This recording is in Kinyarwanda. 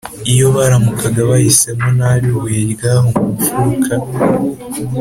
iyo baramukaga bahisemo nabi ibuye ry’aho mu mfuruka,